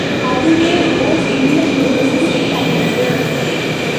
அதுவே ஓர் உள்ள நிறைவைத் தந்தது.